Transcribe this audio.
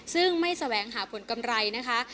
ซึ่งไม่แสวงหาผลกำไรนะคะ